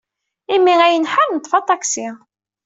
Imi ay nḥar, neḍḍef aṭaksi.